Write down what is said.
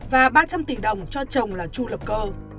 và ba trăm linh tỷ đồng cho chồng là chu lập cơ